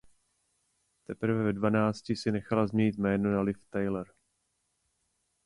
Teprve ve dvanácti si nechala změnit jméno na Liv Tyler.